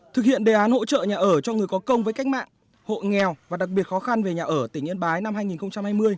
thực hiện đề án hỗ trợ nhà ở cho người có công với cách mạng hộ nghèo và đặc biệt khó khăn về nhà ở tỉnh yên bái năm hai nghìn hai mươi